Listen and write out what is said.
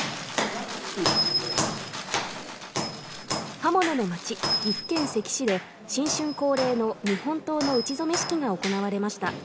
刃物の町、岐阜県関市で新春恒例の日本刀の打ち初め式が行われました。